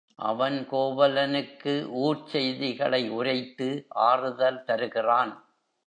அவன் கோவலனுக்கு ஊர்ச் செய்திகளை உரைத்து ஆறுதல் தருகிறான்.